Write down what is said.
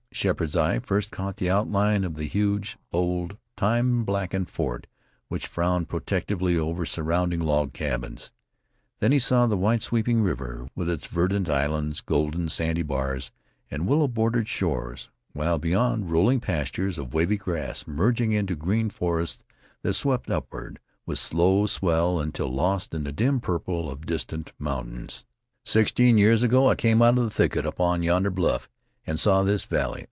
Sheppard's eye first caught the outline of the huge, bold, time blackened fort which frowned protectingly over surrounding log cabins; then he saw the wide sweeping river with its verdant islands, golden, sandy bars, and willow bordered shores, while beyond, rolling pastures of wavy grass merging into green forests that swept upward with slow swell until lost in the dim purple of distant mountains. "Sixteen years ago I came out of the thicket upon yonder bluff, and saw this valley.